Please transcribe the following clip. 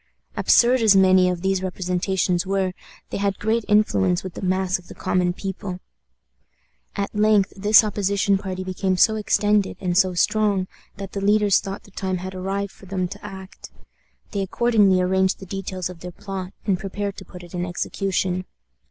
Absurd as many of these representations were, they had great influence with the mass of the common people. At length this opposition party became so extended and so strong that the leaders thought the time had arrived for them to act. They accordingly arranged the details of their plot, and prepared to put it in execution.